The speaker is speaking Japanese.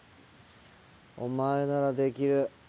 お前ならできる。